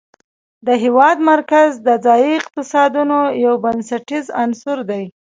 د هېواد مرکز د ځایي اقتصادونو یو بنسټیز عنصر دی.